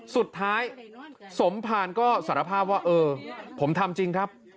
สุดท้ายสมภารก็สารภาพว่าเออผมทำจริงครับ